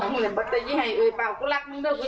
อยากเอ่ยอะไรก็เจ็บไว้ในใจกำลังเมิดหวังว่าดีดีกว่าดีกับลูก